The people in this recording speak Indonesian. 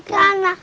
gak ke san claws